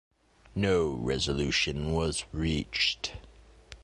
No resolution was reached.